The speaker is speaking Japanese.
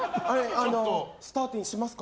スターティンしますか？